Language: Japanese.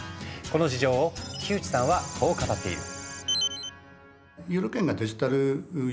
この事情を木内さんはこう語っている。